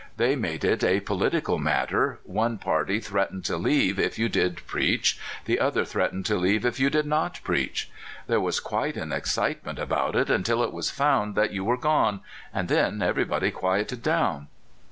They made it a political matter one party threatened to leave if you did preach, the other threatened to leave if you did not preach. There was quite an excite ment about it until it was found that you were gone, and then everybody quieted down."